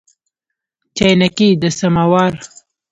چاینکي د سماوار